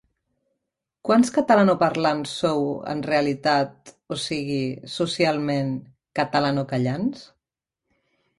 Quants catalanoparlants sou en realitat, o sigui, socialment, 'catalanocallants'...?